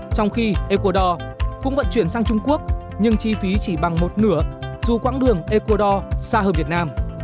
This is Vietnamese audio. trong khi ecuador cũng vận chuyển sang trung quốc nhưng chi phí chỉ bằng một nửa dù quãng đường ecuador xa hơn việt nam